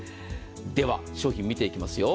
では商品を見ていきますよ。